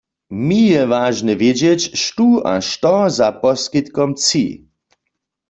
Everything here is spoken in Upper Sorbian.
Mi je wažne wědźeć, štó a što za poskitkom tči.